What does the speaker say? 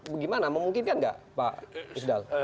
bagaimana memungkinkan nggak pak isdal